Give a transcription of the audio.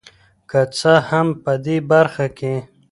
که څه هم په دې برخه کې